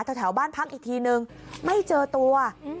แถวบ้านพักอีกทีนึงไม่เจอตัว